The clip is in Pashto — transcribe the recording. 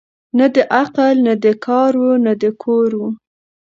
نه د عقل نه د کار وه نه د کور وه